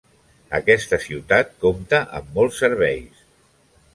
Aquesta ciutat compta amb molts serveis.